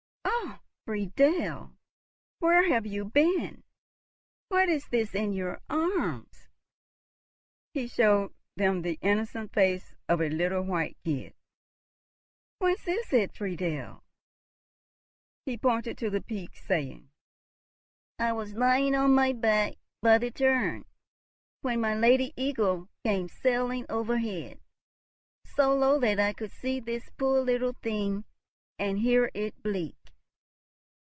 — "Oh, Friedel, where have you been? What is this in your arms?" He showed them the innocent face of a little white kid. "Whence is it, Friedel?" He pointed to the peak, saying, "I was lying on my back by the tarn, when my lady eagle came sailing overhead, so low that I could see this poor little thing, and hear it bleat."